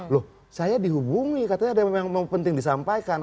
loh saya dihubungi katanya ada yang memang penting disampaikan